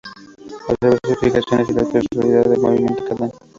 Observó sus fijaciones y la posibilidad de movimiento que dan.